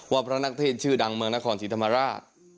พระนักเทศชื่อดังเมืองนครศรีธรรมราช